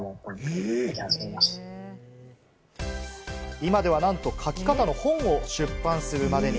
今ではなんと、描き方の本を出版するまでに。